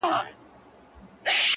• پلار ویله څارنوال ته نه پوهېږي,